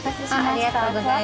ありがとうございます。